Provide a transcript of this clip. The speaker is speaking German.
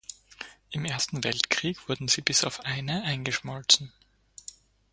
Im Ersten Weltkrieg wurden sie bis auf eine eingeschmolzen.